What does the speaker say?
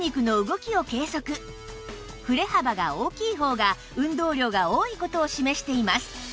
振れ幅が大きい方が運動量が多い事を示しています